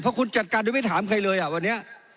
เพราะคุณจัดการโดยไม่ถามใครเลยอ่ะวันนี้